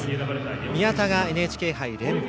宮田がＮＨＫ杯連覇。